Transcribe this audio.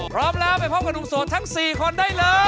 พร้อมแล้วไปพบกับหนุ่มโสดทั้ง๔คนได้เลย